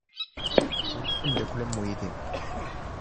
Ulac ameddakel am uydi.